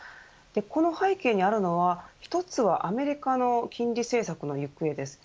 この背景にあるのは１つはアメリカの金利政策の行方です。